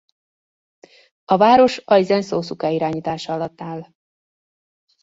A város Aizen Szószuke irányítása alatt áll.